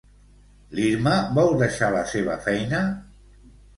L'Irma vol deixar la seva feina?